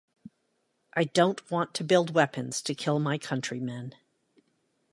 I don't want to build weapons to kill my countrymen.